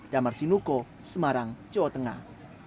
damar sinuko semarang jawa tengah